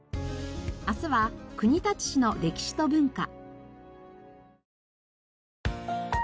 明日は国立市の歴史と文化。